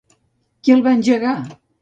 Qui el va engegar?